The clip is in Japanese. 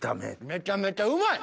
めちゃめちゃうまい！